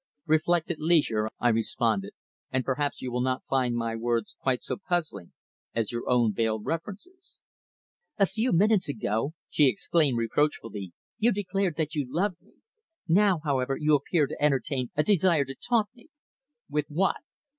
"Reflect at leisure," I responded, "and perhaps you will not find my words quite so puzzling as your own veiled references." "A few minutes ago," she exclaimed reproachfully, "you declared that you loved me. Now, however, you appear to entertain a desire to taunt me." "With what?"